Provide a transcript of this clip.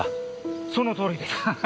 そのとおりです。